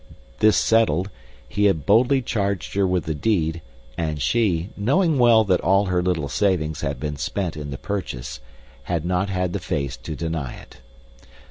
This settled, he had boldly charged her with the deed, and she, knowing well that all her little savings had been spent in the purchase, had not had the face to deny it.